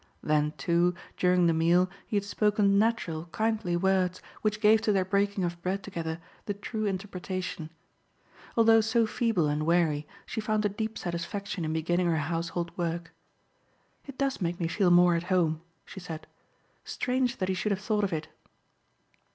Then, too, during the meal he had spoken natural, kindly words which gave to their breaking of bread together the true interpretation. Although so feeble and wary, she found a deep satisfaction in beginning her household work. "It does make me feel more at home," she said. "Strange that he should have thought of it!"